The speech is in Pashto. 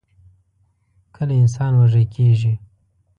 کله انسان وږۍ کيږي؟